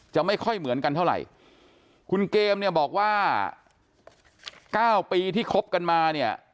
ไม่ค่อยเหมือนกันเท่าไหร่คุณเกมเนี่ยบอกว่าเก้าปีที่คบกันมาเนี่ย